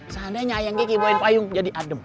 seandainya ayangnya kibawain payung jadi adem